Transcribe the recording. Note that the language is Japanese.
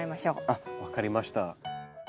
あっ分かりました。